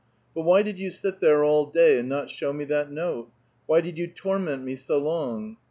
But why did you sit there all day, and not show me that note? Why did you torment me so long?